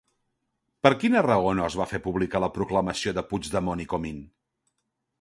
Per quina raó no es va fer pública la proclamació de Puigdemont i Comín?